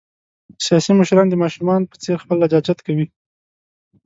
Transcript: سیاسي مشران د ماشومان په څېر خپل لجاجت کوي.